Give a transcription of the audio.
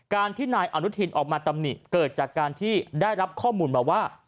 การที่นายอนุทินออกมาตำหนิเกิดจากการที่ได้รับข้อมูลมาว่า